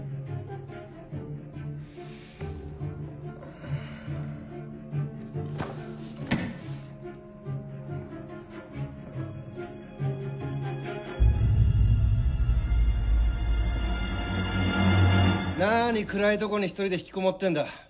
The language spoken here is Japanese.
うん何暗いとこに一人で引きこもってんだ？